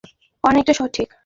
আর একভাবে তো, এটা অনেকটা সঠিক।